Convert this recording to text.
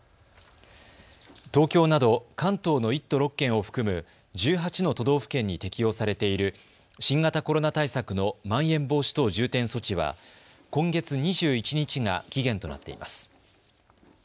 東京など関東の１都６県を含む１８の都道府県に適用されている新型コロナ対策のまん延防止等重点措置は今月２１日が期限となっています。